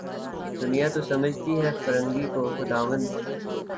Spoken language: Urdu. دنیا تو سمجھتی ہے فرنگی کو خداوند